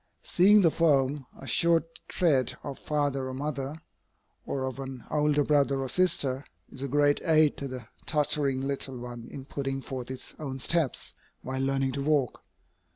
Seeing the firm, assured tread of father or mother, or of an older brother or sister, is a great aid to the tottering little one in putting forth its own steps while learning to walk.